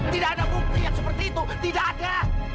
tidak ada bukti yang seperti itu tidak ada